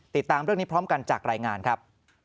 ติดตามเรื่องนี้พร้อมกันจากรายงานครับ